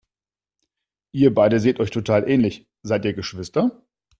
Ihr beide seht euch total ähnlich, seid ihr Geschwister?